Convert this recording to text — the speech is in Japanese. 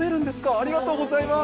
ありがとうございます。